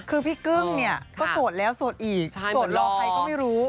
คือพี่กึ้งเนี่ยก็โสดแล้วโสดอีกโสดรอใครก็ไม่รู้